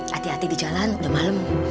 hati hati di jalan udah malam